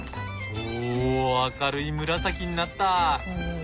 お明るい紫になった！